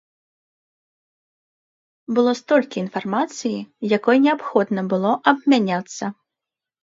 Было столькі інфармацыі, якой неабходна было абмяняцца!